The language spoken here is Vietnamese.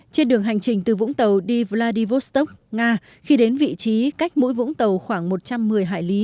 trên đường hành trình từ vũng tàu đi vladivostok nga khi đến vị trí cách mỗi vũng tàu khoảng một trăm một mươi hải lý